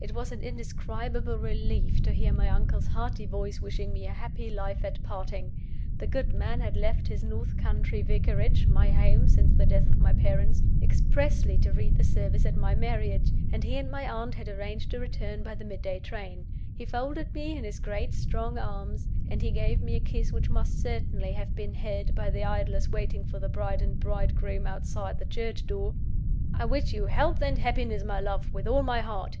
It was an indescribable relief to hear my uncle's hearty voice wishing me a happy life at parting. The good man had left his north country Vicarage (my home since the death of my parents) expressly to read the service at my marriage; and he and my aunt had arranged to return by the mid day train. He folded me in his great strong arms, and he gave me a kiss which must certainly have been heard by the idlers waiting for the bride and bridegroom outside the church door. "I wish you health and happiness, my love, with all my heart.